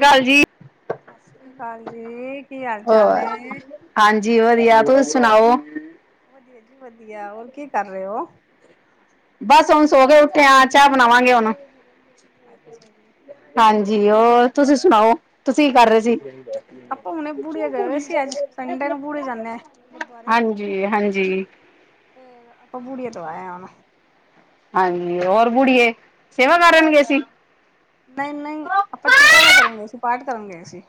ਸਤਿ ਸ਼੍ਰੀ ਅਕਾਲ ਜੀ। ਸਤਿ ਸ੍ਰੀ ਅਕਾਲ ਜੀ ਕੀ ਹਾਲ ਚਾਲ ਨੇ ਜੀ ਵਧੀਆ। ਤੁਸੀਂ ਸੁਣਾਓ ਵਧੀਆ ਜੀ, ਵਧੀਆ, ਔਰ ਕੀ ਕਰ ਰਹੇ ਓ ਬਸ ਹੁਣ ਸੋਕੇ ਉੱਠੇ ਆ। ਬਸ ਚਾਹ ਬਣਾਵਾਂਗੇ ਹੁਨ। ਅੱਛਾ ਜੀ ਹਾਂਜੀ ਜੀ। ਉਹ ਤੁਸੀਂ ਸੁਣਾਓ, ਤੁਸੀਂ ਕਰ ਰਹੇ ਸੀ? ਵਧੀਆ ਜੀ ਆਪਾਂ ਹੁਣੇ ਬੂੜੀਏ ਗਏ ਹੋਏ ਸੀ ਅੱਜ ਸੰਡੇ ਨੂੰ ਬੂੜੇ ਜਾਂਦੇ ਹਾਂ ਹਾਂਜੀ ਹਾਂਜੀ। ਤੇ, ਆਪਾਂ ਮੁੜੀ ਤੋਂ ਆਏ ਆ। ਹਾਂਜੀ। ਹੋਰ ਬੁੜੀਏ, ਸੇਵਾ ਕਰਨਗੇ ਸੀ। ਨਹੀਂ -ਨਹੀਂ ਆਪਾਂ ਚੁੱਪਹਿਰਾ ਕਰਨ ਗਏ ਸੀ। ਪਾਠ ਕਰਨ ਗਏ ਸੀ।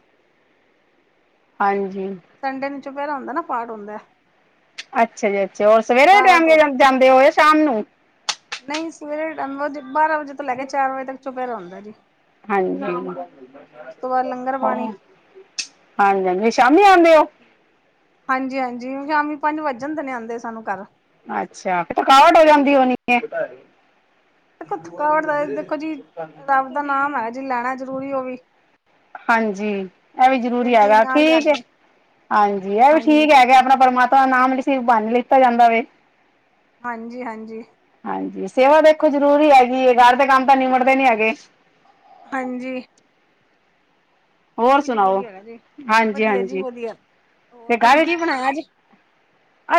ਹਾਂਜੀ ਸੰਡੇ ਨੂੰ ਚੁਪਹਿਰਾ ਹੁੰਦਾ ਨਾ। ਪਾਠ ਹੁੰਦਾ ਐ। ਅੱਛਾ ਜੀ। ਅੱਛਾ, ਹੋਰ ਸਵੇਰੇ ਦੇ ਬਾਰਾਂ ਤੋਂ ਟਾਈਮ ਜਾਂਦੇ ਓ ਆ ਸ਼ਾਮ ਨੂੰ? ਨਹੀਂ ਸਵੇਰੇ ਟਾਈਮ, ਬਾਰਾਂ ਵਜੇ ਤੋਂ ਲੈ ਕੇ ਚਾਰ ਵਜੇ ਤੱਕ ਚੁਪਿਹਰਾ ਹੁੰਦਾ ਜੀ। ਹਾਂਜੀ। ਉਸ ਤੋਂ ਬਾਅਦ ਲੰਗਰ ਓ, ਪਾਣੀ ਹਾਂਜੀ- ਹਾਂਜੀ ਨੀ ਸਾ ਨੀ ਆਉਂਦੇ ਓ ਹਾਂਜੀ ਹਾਂਜੀ। ਸ਼ਾਮੀ ਪੰਜ ਵੱਜਣ ਦੇ ਨੇ ਆਉਂਦੇ ਸਾਨੂੰ ਘਰ ਅੱਛਾ। ਫਿਰ ਥਕਾਵਟ ਹੋ ਜਾਂਦੀ ਹੋਣੀ ਐ? ਥਕਾਵਟ ਤਾਂ ਦੇਖੋ ਜੀ। ਰੱਬ ਦਾ ਨਾਮ ਹੈ ਜੀ, ਲੈਣਾ ਜਰੂਰੀ ਉਹ ਵੀ ਹਾਂਜੀ। ਇਹ ਵੀ ਜਰੂਰੀ ਜਿਹੜੀ ਚੀਜ਼ ਹੈਗਾ, ਨਾਲ ਠੀਕ ਹੈ। ਜਾਣੀ ਹਾਂਜੀ। ਇਹ ਵੀ ਹਾਂਜੀ ਠੀਕ ਹੈਗਾ। ਆਪਣਾ ਪਰਮਾਤਮਾ ਦਾ ਨਾਮ ਕਿਸੀ ਬਾਹਨੇ ਲਿੱਤਾ ਜਾਂਦਾ ਵੇ। ਹਾਂਜੀ ਹਾਂਜੀ। ਹਾਂਜੀ। ਸੇਵਾ ਦੇਖੋ ਜਰੂਰੀ ਹੈਗੀ ਐਂ, ਘਰ ਦੇ ਕੰਮ ਤਾਂ ਨਿਬੜਦੇ ਨੀ ਹੈਗੇ। ਹਾਂਜੀ ਉਹ ਹੋਰ ਵੀ ਸੁਣਾਓ, ਜ਼ਰੂਰੀ ਹੈਗਾ ਜੀ ਹਾਂਜੀ ਵਧੀਆ ਜੀ ਹਾਂਜੀ ਵਧੀਆ ਹੋਰ ਤੇ ਤੁਸੀਂ ਕਾਦੇ ਕੀ ਬਣਾਇਆ ਅੱਜ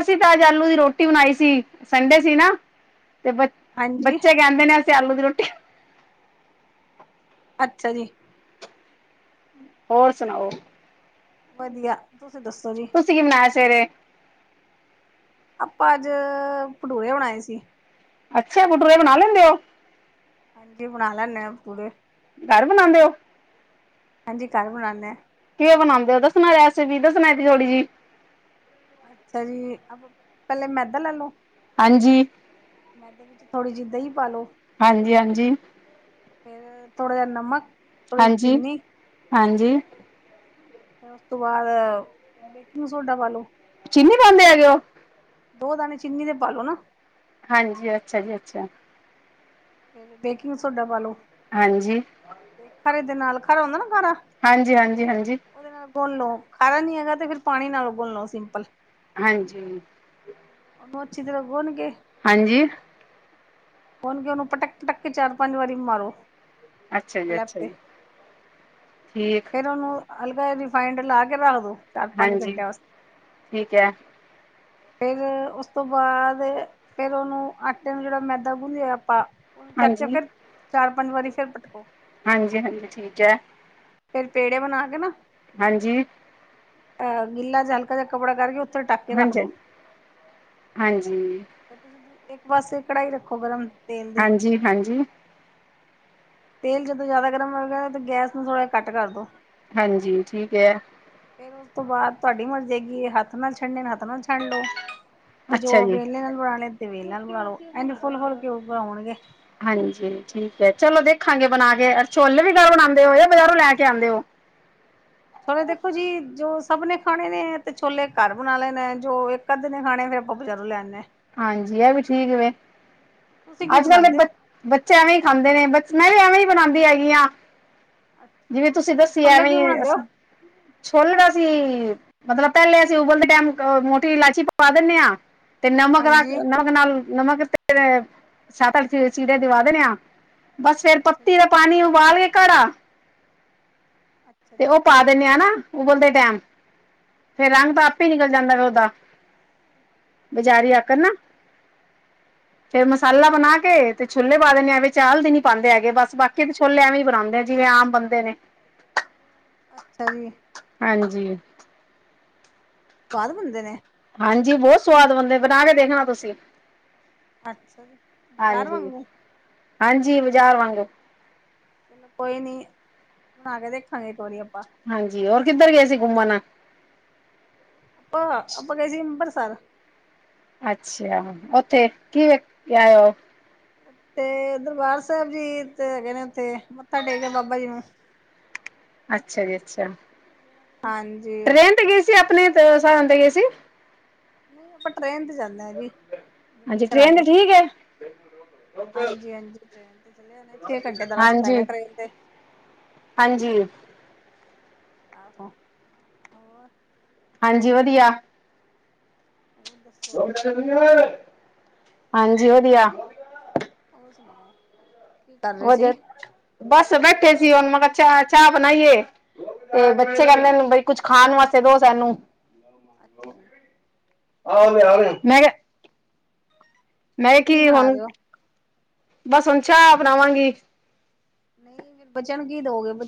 ਅਸੀਂ ਅੱਜ ਆਲੂ ਆ ਦੀ ਰੋਟੀ ਬਣਾਈ ਸੀ। ਸੰਡੇ ਸੀ ਨਾ, ਤੇ ਬ ਹਾਂਜੀ ਬੱਚੇ ਕਹਿੰਦੇ ਨੇ ਅਸੀਂ ਆਲੂ ਰੋਟੀ ਅੱਛਾ ਜੀ ਹੋਰ ਸੁਣਾਓ। ਵਧੀਆ। ਤੁਸੀਂ ਦੱਸੋ ਜੀ ਤੁਸੀਂ ਕੀ ਬਨਾਇਆ ਸਵੇਰੇ? ਆਪਾਂ ਅੱਜ ਭਟੂਰੇ ਬਣਾਏ ਸੀ। ਅੱਛਾ ਭਟੂਰੇ ਬਣਾ ਲੈਂਦੇ ਓ? ਹਾਂਜੀ ਬਣਾ ਲੈਂਨੇ ਹਾਂ ਭਟੂਰੇ। ਘਰ ਬਣਾਦੇ ਓ? ਹਾਂਜੀ ਘਰ ਬਣਾਨੇ। ਕਿਵੇਂ ਬਣਾਦੇ ਓ ਦੱਸਣਾ ਰੈਸਪੀ ਦੱਸਣਾ ਇੱਕ ਥੋੜ੍ਹੀ ਜੀ। ਅੱਛਾ ਜੀ ਆਪ ਪਹਿਲੇ ਮੈਦਾ ਲੈ ਲੋ। ਹਾਂਜੀ ਮੈਂਦੇ ਵਿੱਚ ਥੋੜ੍ਹੀ ਜਿਹੀ ਦਹੀਂ ਪਾਲੋ। ਹਾਂਜੀ-ਹਾਂਜੀ, ਫਿਰ ਥੋੜ੍ਹਾ ਜਿਹਾ ਨਮਕ ਥੋੜ੍ਹੀ ਹਾਂਜੀ। ਚੀਨੀ ਹਾਂਜੀ ਫਿਰ ਉਸ ਤੋਂ ਬਾਅਦ ਬੇਕਿੰਗ ਸੋਡਾ ਪਾ ਲੋ। ਚੀਨੀ ਪਾਉਂਦੇ ਹੈਗੇ ਉਹ? ਦੋ ਦਾਣੇ ਚੀਨੀ ਦੇ ਪਾਲੋ ਨਾ। ਹਾਂਜੀ ਅੱਛਾ ਜੀ। ਅੱਛਾ ਫੇਰ ਬੇਕਿੰਗ ਸੋਡਾ ਪਾ ਲੋ ਹਾਂਜੀ ਤੇ ਖਰੇ ਦੇ ਨਾਲ ਖਰਾ ਹੁੰਦਾ ਨਾ ਖਾਰਾ। ਹਾਂਜੀ ਹਾਂਜੀ ਹਾਂਜੀ ਉਹਦੇ ਨਾਲ ਗੁਨ ਲੋ, ਖਾਰ ਨੀ ਤੇ ਫਿਰ ਪਾਣੀ ਨਾਲ ਗੁੰਨ ਲੋ ਸਿੰਪਲ। ਹਾਂਜੀ ਬਹੁ ਅੱਛੀ ਤਰਾਂ ਗੁੰਨ ਕੇ ਹਾਂਜੀ ਗੁੰਨ ਕੇ ਉਹਨੂੰ ਪਟਕ-ਪਟਕ ਕੇ ਚਾਰ-ਪੰਜ ਵਾਰੀ ਮਾਰੋ। ਅੱਛਾ ਜੀ ਸਲੈਬ ਅੱਛਾ ਤੇ ਜੀ। ਠੀਕ ਫੇਰ ਉਹਨੂੰ ਅਲਗਾ ਰਿਫਾਈੰਡ ਲਾ ਕੇ ਰੱਖ ਦੋ। ਚਾਰ-ਪੰਜ ਹਾਂਜੀ ਘਿੰਟਿਆਂ ਵਾਸਤੇ ਠੀਕ ਹੈ ਫੇਰ ਉਸ ਤੋਂ ਬਾਅਦ ਫੇਰ ਉਹਨੂੰ ਆਟੇ ਨੂੰ ਜਿਹੜਾ ਮੈਦਾ ਗੁੰਨਿਆ ਆਪ ਉਹਨੂੰ ਚੱਕ ਕੇ ਫਿਰ ਚਾਰ-ਪੰਜ ਵਾਰੀ ਫਿਰ ਪਟਕੋ। ਹਾਂਜੀ-ਹਾਂਜੀ ਠੀਕ ਐ। ਫੇਰ ਪੇੜੇ ਬਣਾ ਕੇ ਨਾ ਹਾਂਜੀ ਗਿੱਲਾ ਜਾ ਹਲਕਾ ਜਾ ਕੱਪੜਾ ਕਰਕੇ ਉਥੇ ਢੱਕ ਕੇ ਹਾਂਜੀ ਰੱਖਦੋ। ਹਾਂਜੀ ਫੇਰ ਤੁਸੀਂ ਇੱਕ ਪਾਸੇ ਕੜਾਈ ਰੱਖੋ ਗਰਮ। ਤੇਲ ਦੀ ਹਾਂਜੀ-ਹਾਂਜੀ ਤੇਲ ਜਦੋਂ ਜ਼ਿਆਦਾ ਗਰਮ ਹੋ ਗਿਆ ਤੇ ਗੈਸ ਨੂੰ ਥੋੜਾ ਜਹਾ ਘੱਟ ਕਰ ਦੋ। ਹਾਂਜੀ ਠੀਕ ਐ। ਫਿਰ ਉਸ ਤੋਂ ਬਾਅਦ ਤੁਹਾਡੀ ਮਰਜ਼ੀ ਹੈਗੀ ਹੱਥ ਨਾਲ ਛੱਡੇ ਹੱਥ ਨਾਲ ਛੱਡ ਲੋ। ਤੇ ਅੱਛਾ ਜੋ ਜੀ ਵੇਲਣੇ ਨਾਲ ਬਣਾਣੇ ਤੇ ਵੇਲਣੇ ਨਾਲ ਬਣਾ ਲੋ ਇਹਨੇ ਫੁੱਲ-ਫੁੱਲ ਕੇ ਉੱਪਰ ਆਉਣਗੇ। ਹਾਂਜੀ ਠੀਕ ਹੈ ਚਲੋ ਦੇਖਾਂਗੇ ਬਣਾ ਕੇ ਛੋਲੇ ਵੀ ਘਰ ਬਣਾਦੇ ਹੋ ਜਾਂ ਬਜ਼ਾਰੋਂ ਲੈ ਕੇ ਆਉਂਦੇ ਹੋ। ਨਾਲੇ ਦੇਖੋ ਜੀ ਜੋ ਸਭ ਨੇ ਖਾਣੇ ਨੇ ਤੇ ਛੋਲੇ ਘਰ ਬਣਾ ਲੈਣਾ ਜੋ ਇੱਕ-ਅੱਧੇ ਨੇ ਖਾਣੇ ਫਿਰ ਆਪਾਂ ਬਜਾਰੋ ਲੈ ਆਨੇ। ਹਾਂਜੀ ਇਹ ਵੀ ਠੀਕ ਵੇ। ਤੁਸੀਂ ਕੀ ਅੱਜਕੱਲ ਦੇ ਬਣਾਉਂਦੇ ਹੋ ਬੱਚ ਬੱਚਿਆ ਨੇ ਹੀ ਖਾਂਦੇ ਨੇ ਮੈਂ ਵੀ ਐਵੇਂ ਹੀ ਬਣਾਦੀ ਹੈਗੀ ਆ। ਅੱਛਾ ਜਿਵੇਂ ਜੀ, ਤੁਸੀਂ ਦੱਸੀ ਛੋਲੇ ਐਵੇਂ ਕਿਵੇਂ ਬਣਾਉਂਦੇ ਹੋ ਹੀ, ਛੋਲਣਾ ਸੀ। ਮਤਲਬ ਪਹਿਲੇ ਅਸੀਂ ਉਬਲਦੇ ਟਾਈਮ ਮੋਟੀ ਇਲਾਚੀ ਪਾ ਦਿੰਨੇ ਆ ਤੇ [unintelligible] ਹਾਂਜੀ ਨਮਕ ਨਾਲ ਨਮਕ ਤੇ ਸੱਤ-ਅੱਠ ਚੀਰੇ ਦਿਵਾ ਦਿੰਨੇ ਆ। ਬਸ ਫਿਰ ਅੱਛਾ ਪੱਤੀ ਜੀ ਦਾ ਪਾਣੀ ਉਬਾਲ ਕੇ ਘੜਾ ਅੱਛਾ ਤੇ ਜੀ ਉਹ ਪਾ ਦਿੰਨੇ ਆ ਨਾ ਉਹ ਬੋਲਦੇ ਟਾਈਮ ਫਿਰ ਰੰਗ ਤਾਂ ਅੱਛਾ ਆਪੇ ਜੀ ਨਿਕਲ ਜਾਂਦਾ ਉਹਦਾ ਵਿਚਾਰੀ ਆਕਨ ਨਾ ਹਾਂਜੀ, ਹ ਫਿਰ ਮਸਾਲਾ ਬਣਾ ਕੇ ਤੇ ਛੋਲੇ ਪਾ ਦੇਨੇ ਐਵੇਂ ਹਲਦੀ ਨਹੀਂ ਪਾਉਂਦੇ ਹੈਗੇ ਬਸ ਬਾਕੀ ਛੋਲੇ ਐਵੇਂ ਹੀ ਬਣਾਉਂਦੇ ਜਿਵੇਂ ਆਮ ਬੰਦੇ ਨੇ ਅੱਛਾ ਜੀ ਹਾਂਜੀ ਬਾਅਦ ਬੰਦੇ ਨੇ ਹਾਂਜੀ ਬਹੁਤ ਸਵਾਦ ਬੰਦੇ ਬਣਾ ਕੇ ਦੇਖਣਾ ਤੁਸੀਂ ਅੱਛਾ ਜੀ ਬਾਜ਼ਾਰ ਹਾਂਜੀ ਵਾਂਗੂ ਹਾਂਜੀ ਬਾਜ਼ਾਰ ਵਾਂਗੁ ਚਲੋ ਕੋਈ ਨੀ ਬਨਾਕੇ ਦੇਖਾਗੇ ਏਕ ਵਾਰੀ ਅਪ ਹਾਂਜੀ ਹੋਰ ਕਿੱਧਰ ਗਏ ਸੀ ਗੁਮਨ ਅ ਆਪ ਆਪਾਂ ਕ ਸੀੀ ਅੰਬ੍ਰਰਸਰ ਅੱਛਾ ਉਓਥੇ ਕੀ ਵੇ ਆ ਉਹ ਤੇ ਦਰਬਾਰ ਸਾਹਿਬ ਜੀ ਹੈਗੇ ਨੇ ਉਥੇ, ਮੱਥਾ ਟੇਕਦੇ ਬਾਬਾ ਜੀ ਨੂੰ। [unintelligible] ਅੱਛਾ ਜੀ ਅੱਛਾ ਹਾਂਜੀ ਟਰੇਨ ਤੇ ਗਏ ਸੀ ਆਪਣੇ ਸਾਬ ਤੇ ਗਏ ਸੀ ਨਈ ਆਪਾ ਟਰੇਨ ਤੇ ਜਾਨੇਯਾ ਜੀ ਹਾਂਜੀ ਬੁਕਿਗ ਕਰਾ ਟ੍ਰੇਨ ਤੇ ਕੇ ਠੀਕ ਹੈ ਹਾਂਜੀ ਹਾਂਜੀ ਟਰੇਨਤੇ ਚਲੇ ਜਾਨੇਯਾ ਅਸੀ ਛੇ ਘੰਟੇ ਦਾ ਰਸਤਾ ਹੇਗਾ ਹਾਂਜੀ ਟਰੇਨ ਤੇ ਹਾਂਜੀ ਆਹੋ ਹੋਰ ਹਾਂਜੀ ਵਧੀਆ ਹੋਰ ਦੱਸੋ ਹਾਂਜੀ ਵਧੀਆ ਸੁਣਾ ਬਸ ਬੈਠੇ ਸੀ ਹੁਣ ਮੈਂ ਕੱਚਾ ਚਾਹ ਬਣਾਈਏ ਬੱਚੇ ਅੱਛਾ ਜੀ ਕਹਨਦੇ ਨੇ ਕੁਝ ਖਾਣ ਵਾਸਤੇ ਦੋ ਸਾਨੂੰ ਅੱਛਾ ਜੀ ਮੈਂ ਫੇਰ ਕੀ ਬਣਾ ਹੁਣ ਰਹੇ ਹੋ ਬਸ ਹੁਣ ਚਾਹ ਬਣਾਵਾਂਗੀ ਨਈ, ਫਿਰ ਬੱਚੇਆਂ ਨੂੰ ਕੀ ਦੋਗੇ? ਬ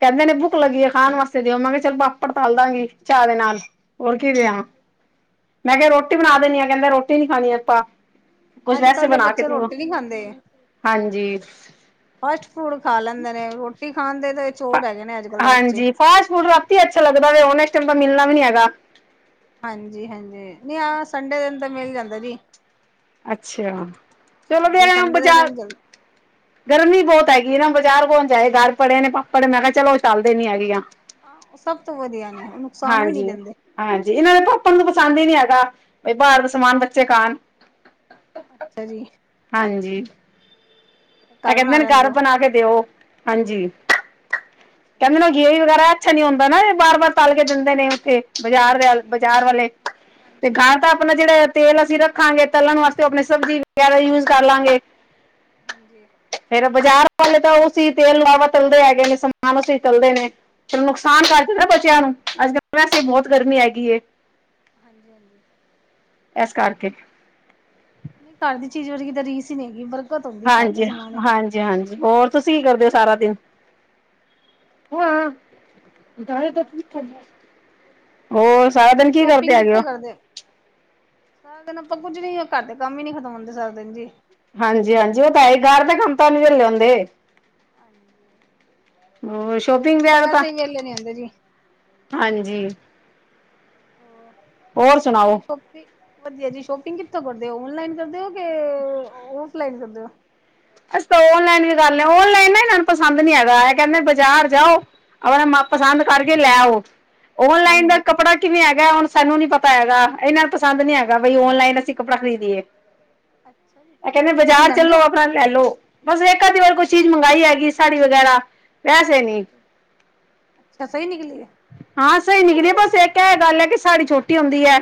ਕੈਂਦੇ ਨੇ ਬੁਕ ਲੱਗੀ ਏ ਖਾਣ ਵਾਸ ਤੇ ਦੇਓ ਮੈ ਗੇ ਚਲ ਪਾਪੜ ਤਾਲ ਦਾਂਗੀ ਚਾਰ ਨਾਲ। ਹੋਰ ਕਿਵੇਂ ਆ? ਮੈਂ ਕੇਆ ਰੋਟੀ ਬਣਾ ਦੇਨੀ ਆ ਕੈਂਦਾ ਰੋਟੀ ਨੀ ਖਾਣੀ ਅਪਾਂ। ਕੁਛ ਅੱਜ ਵੈਸੇ ਕੱਲ੍ਹ ਦੇ ਬਣਾ ਕੇ ਬੱਚੇ ਦੇਓ, ਰੋਟੀ ਨਹੀਂ ਖਾਂਦੇ ਹਾਂਜੀ। ਫਾਸਟ ਫੂਡ ਖਾ ਲੈਂਦੇ ਨੇ, ਰੋਟੀ ਖਾਣ ਦੇ ਤਾਂ ਆ, ਚੋਰ ਹੈਗੇ ਨੇ ਅੱਜ ਕੱਲ੍ਹ ਦੇ ਬੱਚੇ ਹਾਂਜੀ ਫਾਸਟ ਫੂਡ ਰਾਤੀ ਅੱਛਾ ਲੱਗਦਾ ਹੋਨ ਏਸ ਟਾਈਮ ਤੇ ਮਿਲਨਾ ਵੀ ਨੀ ਹੈਗਾ। ਹਾਂਜੀ-ਹਾਂਜੀ, ਨਈ ਆ ਸੰਡੇ ਦਿਨ ਤੇ ਮੇਲ ਈ ਜਾਂਦਾ ਜੀ। ਅੱਛਾ, ਚਲੋ ਹਾਂਜੀ ਮੇਰਾ ਨਾ ਸੰਡੇ ਦੇ ਬਜਾਰ, ਟਾਈਮ ਜਲਦੀ ਗਰਮੀ ਬੋਤ ਹੈਗੀ ਏ ਨਾ ਜਾਰ ਕੌਣ ਜਾਏ? ਗਾਰ ਪੜੇ ਨੇ ਪਾਪੜ ਮੈਂ ਕੇਆ ਚਲੋ ਓਈ ਤਲ ਦੇਣੀ ਹੈਗੀ ਆ। ਹਾਂ ਓ ਸਬ ਤੋਂ ਵਦੀਆ ਨੇ ਓ ਨੁਕਸਾਨ ਵੀ ਨੀ ਦੇਂਦੇ। ਪਸਾਂਦ ਈ ਨੀ ਹੈਗਾ, ਕੋਈ ਬਾਰ ਦਾ ਸਮਾਨ ਬੱਚੇ ਖਾਣ। ਅੱਛਾ ਜੀ। ਐ ਘਰ ਕੈਂਦੇ ਬਣਾ ਨੇ ਲੈਂਦੇ ਘਾਰ ਹੋ ਬਣਾ ਕੇ ਦੇਓ, ਹਾਂਜੀ। ਅੱਛਾ ਕੈਂਦੇ ਜੀ ਨੇ ਗੇਈ ਵਗੈਰਾ ਅੱਛਾ ਨੀ ਹੁੰਦਾ ਨਾ ਏ ਬਾਰ-ਬਾਰ ਤਾਲ ਕੇ ਦਿੰਦੇ ਨੇ ਓੱਥੇ, ਬਾਜਾਰ ਦੇ ਅ ਬਾਜਾਰ ਵਾਲੇ। ਤੇ ਹਾਂਜੀ ਘ੍ਹਾਰ ਤਾਂ ਆਪਣਾ ਜੇੜਾ ਤੇਲ ਅਸੀਂ ਰੱ ਰੱਖਾਂਗੇ ਤਲਣ ਵਾਸਤੇ ਆਪਣੀ ਸਬਜ਼ੀ ਵਗੈਰਾ ਯੂਜ ਕਰ ਲਾਂਗੇ ਹਾਂਜੀ ਫੇਰ ਬਾਜ਼ਾਰ ਹੇ ਤਾਂ ਉਹ ਸੀ ਤੇਲ ਲਾਵਾ ਚੱਲਦੇ ਹੈਗੇ ਨੇ ਸਮਾਨ ਅਸੀਂ ਚੱਲਦੇ ਨੇ। ਚਲੋ ਨੁਕਸਾਨ ਕਰ ਅੱਛਾ ਜੀ ਦਿੱਤਾ ਬੱਚਿਆਂ ਨੂੰ ਅੱਜ ਕੱਲ ਵੈਸੇ ਬਹੁਤ ਗਰਮੀ ਹੈਗੀ। ਹਾਂਜੀ ਹਾਂਜੀ ਇਸ ਕਰਕੇ ਨਹੀਂ ਕਢ ਦੀ ਚੀਜ਼ ਵ ਕਿ ਤਾਂ ਰੀਸ ਹੀ ਨਹੀਂ ਹੈਗੀ ਪਰ ਹਾਂਜੀ -ਹਾਂਜੀ- ਹਾਂਜੀ ਹੋਰ ਤੁਸੀਂ ਕੀ ਕਰਦੇ ਹੋ। ਸਾਰਾ ਦਿਨ ਹਾਂ। ਦਾਰੇ ਤਾਂ ਹੋਰ ਤ ਦਾ ਤੁਸੀਂ ਸ਼ੋਪਿੰਗ ਕਿੱਥੇ ਕਰਦੇ ਹੋ ਸਾਰਾ ਦਿਨ ਆਪਾਂ ਪੁੱਜ ਰ ਘਰ ਦੇ ਕੰਮ ਹੀ ਨੀ ਖਤਮ ਹੁੰਦੇ ਸਕਦੇ ਜੀ। ਹਾਂਜੀ- ਹਾਂਜੀ ਉਹ ਤਾਂ ਹੈ ਗਾਹਰ ਦਾ ਕੰਮ ਤੋ ਨੀ ਵੇਲੇ ਹੁੰਦੇ। ਹਾਂਜੀ ਹੋਰ ਸ਼ੋਪਿੰਗ [unintelligible] ਤਾਂ ਵਗੈਰਾ ਵੈਸ ਹੀ ਵੇਲੇ ਨਹੀਂ ਹੁੰਦੇ ਜੀ ਹਾਂਜੀ ਹੋਰ ਸੁਣਾਓ ਤੁਸੀਂ ਸ਼ੋਪਿੰਗ ਵਧੀਆ ਜੀ ਸ਼ੋਪਿੰਗ ਕਿੱਥੋਂ ਕਰਦੇ ਹੋ ਔਨਲਾਈਨ ਕਰਦੇ ਹੋ ਕੇ ਔਫਲਾਈਨ ਕਰਦੇ ਹੋ। ਅਸੀਂ ਤਾਂ ਓਨਲਾਈਨ ਵੀ ਗ ਓਨਲਾਈਨ ਨਾ ਇਹ ਨੂੰ ਪਸੰਦ ਨਹੀਂ ਹੈਗਾ ਕਹਿੰਦੇ ਬਾਜ਼ਾਰ ਜਾਓ। ਆਪ ਮ ਪਸੰਦ ਕਰਕੇ ਲੈ ਆਓ ਔਨਲਾਈਨ ਦਾ ਹਾਂਜੀ। ਕੱਪੜਾ ਕਿਵੇਂ ਹੈਗਾ ਹੁਣ ਸਾਨੂੰ ਨੀ ਪਤਾ ਹੈਗਾ ਇਹਨਾਂ ਨੂੰ ਪਸੰਦ ਨੀ ਹੈਗਾ ਬਈ ਓਨਲਾਈਨ ਅਸੀਂ ਕੱਪੜਾ ਖਰੀਦੀਏ। ਅੱਛਾ ਜੀ, ਇਹ ਕਹਿੰਦੇ ਤੁਸੀਂ ਬਾਜ਼ਾਰ ਲੈਂਦੇ ਓ? ਚੱਲੋ ਆਪਣਾ ਲੈ ਲਓ ਬਸ ਵੇਕਾ ਦੀ ਹੋਰ ਕੋਈ ਚੀਜ ਮੰਗਾਈ ਹੈਗੀ ਸਾੜੀ ਵਗੈਰਾ ਵੈਸੇ ਨੀ, ਅੱਛਾ ਸਹੀ ਨਿਕਲੀ ਹੈ ਹਾਂ ਸਈ ਨਿਕਲੀ ਬਸ ਸ ਏੱਕ ਏ ਗੱਲ ਐ ਕਿ ਸਾੜੀ ਛੋਟੀ ਹੁੰਦੀ ਐ।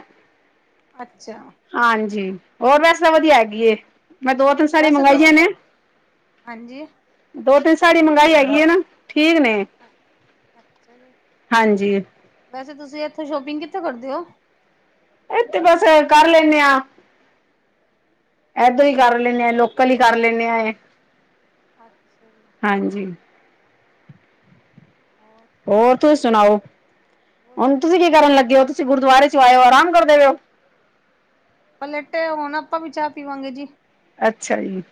ਅੱਛਾ ਹਾਂਜੀ, ਹੋਰ ਵੈਸੇ ਤਾਂ ਵਦੀਆ ਹੈਗੀ ਏ। ਮੈਂ ਦੋ-ਤਿੰਨ ਸਾੜੀ ਵੈਸੇ ਮੰਗਾਈਆ ਤੁਸੀਂ ਨੇ, ਹਾਂਜੀ। ਦੋ-ਤਿੰਨ ਸ ਸਾਡੀ ਮੰਹਗਾਈ ਹੈਗੀ ਹੈ ਨਾ ਠੀਕ ਨੇ ਜ ਹਾਂਜੀ ਵੈਸੇ ਤੁਸੀਂ ਇਥੋਂ ਸ਼ੋਪਿੰਗ ਕੀਤੀ। ਕਰਦੇ ਹੋ। ਇਥੇ ਬਸ ਕਰ ਲੈਂਨੇ ਆ। ਏਦੋਂ ਹੀ ਕਰ ਲੈਣੇ ਆ ਲੋਕਲ ਹੀ ਕਰ ਲੈਨੇ ਆ ਇਹ ਅੱਛਾ ਜੀ ਹੋਰ ਤੁਸੀ ਸੁਣਾਓ ਹੁਣ ਵਧੀਆ ਤੁਸੀਂ ਜੀ। ਕੀ ਕਰਨ ਲੱਗੇ ਹੋ ਤੁਸੀਂ ਗੁਰਦੁਆਰੇ ਆਇਓ ਆਰਾਮ ਕਰ ਦੇਵੇਓ। ਪ ਲੇਟੇ ਹੁਣ ਆਪਾਂ ਵੀ ਚਾਹ ਪੀਵਾਂਗੇ ਜੀ। ਅੱਛਾ ਜੀ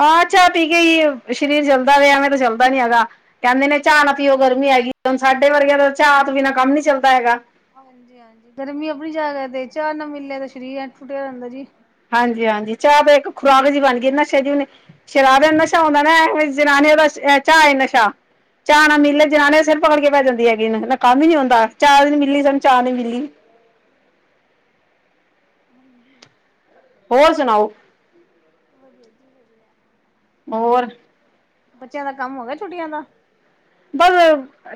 ਹਾਂ ਚਾਹ ਪੀ ਕੇ ਈ। ਸਰੀਰ ਚੱਲਦਾ ਪਿਆਵੇੈਂ ਤਾਂ ਚੱਲਦਾ ਨੀ ਹੈਗਾ ਕਹਿੰਦੇ ਨੇ ਹਾਂਜੀ ਚਾਹ ਨਾ ਹਾਂਜੀ ਪੀਓ ਗਰਮੀ ਹੈਗੀ। ਹੁਣ ਸਾਡੇ ਵਰਗਿਆਂ ਦਾ ਚਾਹ ਬਿਨਾਂ ਕੰਮ ਨੀ ਚੱਲਦਾ ਹੈਗਾ। ਹਾਂਜੀ -ਹਾਂਜੀ ਗਰਮੀ ਆਪਣੀ ਜਾ ਕੇ ਤੇ ਚਾਹ ਨਾ ਮਿਲਿਆ ਤੇ ਸਰੀਰ ਟੁਟਿਆ ਰਹਿੰਦਾ ਜੀ। ਹਾਂਜੀ -ਹਾਂਜੀ ਚਾਹ ਤਾਂ ਇੱਕ ਖੁਰਾਕ ਜਿਹੀ ਬਣ ਗਈ ਨਸ਼ਾ ਜਿ ਹੇ ਸ਼ਰਾਬ ਨੂੰ ਨਸ਼ਾ ਹੁੰਦਾ ਨਾ ਐਵੈ ਜਨਾਨੀਆਂ ਬਸ ਚਾਹ ਏ ਨਸ਼ਾ ਚਾਹ ਨਾ ਮਿਲੇ ਜਨਾਨੀਆਂ ਸਿਰ ਪਕੜ ਕੇ ਪੈ ਜਾਂਦੀ ਹੈਗੀ ਕੰਮ ਨੀ ਹਂਦਾ ਚਾਹ ਨੀ ਮਿਲੀ ਸਾਨੂੰ ਚਾਹ ਨੀ ਮਿਲੀ। ਹਾਂਜੀ ਹੋਰ ਸੁਣਾਓ। [inaudible] ਹੋਰ ਬੱਚਿਆਂ ਦਾ ਕੰਮ ਹੋ ਗਿਆ ਛੁੱਟੀਆਂ ਦਾ ਬਸ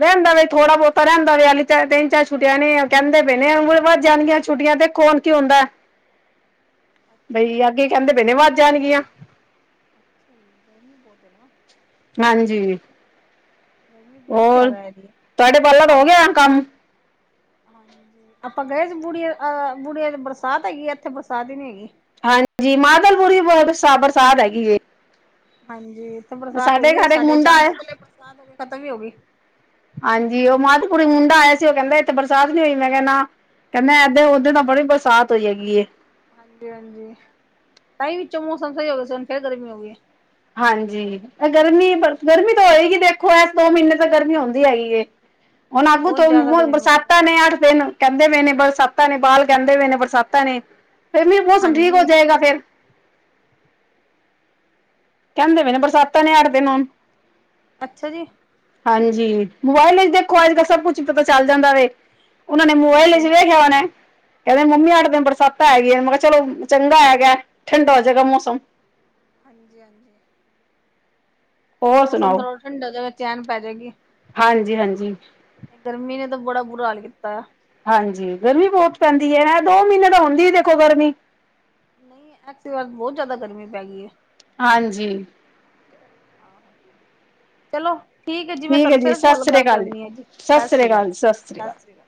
ਰਹਿੰਦਾ ਵੇ ਥੋੜਾ ਬਹੁਤਾ ਰਹਿੰਦਾ ਵੇ ਤਿੰਨ ਚਾਰ ਛੁਟਿਆ ਨੇ ਕਹਿੰਦੇ ਪਏ ਨੇ ਵੱਧ ਜਾਣਗੀਆ ਛੁੱਟੀਆ ਦੇਖੋ ਹੁਣ ਕੀ ਹੁੰਦੈ। ਅੱਛਾ ਜੀ ਬਈ ਅੱਗੇ ਕਹਿੰਦੇ ਬੇ ਨੇ ਵੱਧ ਜਾਣਗੀਆ। ਅੱਛਾ ਜੀ ਗਰਮੀ ਬਹੁਤ ਐ ਨਾ। ਹਾਂਜੀ ਗਰਮੀ ਬਹੁਤ ਹੋਰ ਜ਼ਿਆਦਾ ਹੈਗੀ। ਤੁਹਾਡੇ ਬਾਲਾ ਦਾ ਹੋਗਿਆ ਏ ਕੰਮ ਹਾਂਜੀ ਆਪਾ ਗਏ ਸੀ ਬੁੜੀਏ ਅਹ ਬੁੜੀਏ ਬਰਸਾਤ ਹੈਗੀ ਐ ਇੱਥੇ ਬਰਸਾਤ ਈ ਨੀ ਹੈਗੀ। ਹਾਂਜੀ ਮਾਦਲਪੁਰੀ ਬ-ਬਹੁਤ ਬਰ -ਬਰਸਾਤ ਹੈਗੀ ਏ। ਹਾਂ ਜੀ ਇੱਥੇ ਬਰਸਾਤ ਹੋਈ ਏ ਘਰ ਇੱਕ ਸਾਡੇ ਮੁੰਡਾ ਜਾਣ ਤੋ ਆਇਆ ਪਹਿਲੇ ਬਰਸਾਤ ਹੋਕੇ ਖ਼ਤਮ ਈ ਹੋ ਗਈ। ਹੁਨੇ ਮੁੰਡਾ ਆਇਆ ਸੀ ਉਹ ਕਹਿੰਦਾ ਇੱਥੇ ਬਰਸਾਤ ਨੀ ਹੋਈ ਮੈਂ ਕਿਹਾ ਨਾ ਕਹਿੰਦਾ ਏਦੇ ਓਦੇ ਤਾ ਬੜੀ ਬਰਸਾਤ ਤ ਹੋਈ ਹੇਗੀ ਏ। ਹਾਂਜੀ ਹਾਂਜੀ ਤਾਂਹੀ ਵਿੱਚੋ ਮੌਸਮ ਸਹੀ ਹੋ ਗਿਆ ਸੀ ਹੁਣ ਫੇਰ ਗਰਮੀ ਹੋ ਗਈ। ਹਾਂਜੀ ਇਹ ਗਰਮੀ ਪਰ ਗਰਮੀ ਤਾ ਹੋਏਗੀ ਦੇਖੋ ਐਸ ਦੋ ਮਹੀਨੇ ਤਾਂ ਗਰਮੀ ਹੁੰਦੀ ਹੈਗੀ ਐ। ਹੁਣ ਆਗੂ ਬਹੁਤ ਤੋਂ ਜ਼ਿਆਦਾ ਗਰਮੀ ਹੋ ਗਈ ਨਾ ਬਰਸਾਤਾਂ ਨੇ ਅੱਠ ਦਿਨ ਕਹਿੰਦੇ ਪਏ ਨੇ। ਬਰਸਾਤਾਂ ਨੇ ਬਾਲ ਕਹਿੰਦੇ ਪਏ ਨੇ ਬਰਸਾਤਾਂ ਨੇ ਫਿਰ ਵੀ ਮੌਸਮ ਠੀਕ ਹੋ ਹਾਂਜੀ ਜਾਏਗਾ ਫੇਰ। ਕਹਿੰਦੇ ਪਏ ਨੇ ਬਰਸਾਤਾਾਂ ਨੇ ਅੱਠ ਦਿਨ ਹੁਣ। ਅੱਛਾ ਜੀ। ਹਾਂਜੀ ਮੋਬਾਇਲ ਵਿੱਚ ਦੇਖੋ ਅੱਜ ਕੱਲ ਸਭ ਕੁਛ ਪਤਾ ਚੱਲ ਜਾਂਦਾ ਵੇ। ਉਹਨਾ ਨੇ ਮੋਬਾਇਲ ਵਿੱਚ ਹਾਂਜੀ-ਹਾਂਜੀ। ਵੇਖਿਆ ਹੋਣਾ ਏ ਕਹਿੰਦੇ ਮੰਮੀ ਅੱਛਾ ਅੱਠ ਜੀ, ਦਿਨ ਬਰਸਾਤ ਹੇਗਿਆ। ਚਲੋ ਚੰਗਾ ਹੇਗਾ ਠੰਡਾ ਹੋ ਜਾਏਗਾ ਮੌਸਮ। ਹਾਂਜੀ ਹਾਂਜੀ। ਹੋਰ ਮੌਸਮ ਸੁਣਾਓ ਥੋੜ੍ਹਾ ਠੰਡਾ ਜਾ ਹੋਵੇ ਚੈਨ ਪੈ ਜਾਏਗੀ। ਹਾਂਜੀ ਹਾਂਜੀ ਦਾ ਬੜਾ ਬੁਰਾ ਹਾਲ ਕੀਤਾ ਆ। ਹਾਂਜੀ ਗਰਮੀ ਬਹੁਤ ਪੈਂਦੀ ਐ ਦੋ ਮਹੀਨੇ ਤਾ ਹੁੰਦੀ ਦੇਖੋ ਗਰਮੀ ਨਹੀ ਐਤ ਕੀ ਵਾਰ ਬਹੁਤ ਜਿਆਦਾ ਗਰਮੀ ਪੈ ਗਈ ਐ। ਹਾਂਜੀ ਆਹੋ ਚਲੋ। ਠੀਕ ਐ ਜੀ ਮੈਂ ਤੁਹਾਨੂੰ ਫੇਰ ਕੋਲ ਕਰਨੀ ਆ ਜੀ। ਸਤਿ ਸ੍ਰੀ ਅਕਾਲ ਜੀ। ਸਤਿ ਸ੍ਰੀ ਅਕਾਲ।